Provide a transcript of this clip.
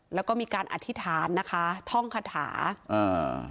แล้วก็มีการอธิษฐานนะคะท่องคาถาอ่า